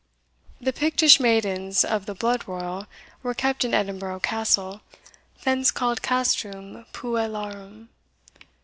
The Pictish maidens of the blood royal were kept in Edinburgh Castle, thence called Castrum Puellarum."